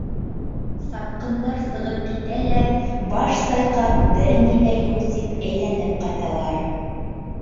Сапҡындар сығып китә лә, баш сайҡап, бер ни ҙә юҡ, тип әйләнеп ҡайталар.